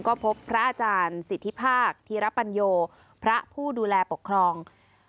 ก็พบพระอาจารย์สิทธิภาคธีรปัญโยพระผู้ดูแลปกครอง